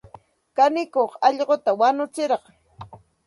Kanikuq allquta wanutsirqan.